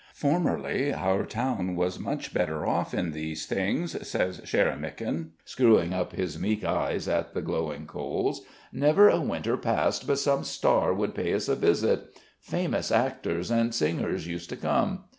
"Formerly our town was much better off in these things," says Sharamykin, screwing up his meek eyes at the glowing coals. "Never a winter passed but some star would pay us a visit. Famous actors and singers used to come